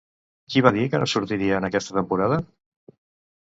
Qui va dir que no sortiria en aquesta temporada?